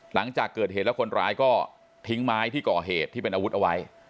หลังจากเกิดเหตุแล้วคนร้ายก็ทิ้งไม้ที่ก่อเหตุที่เป็นอาวุธเอาไว้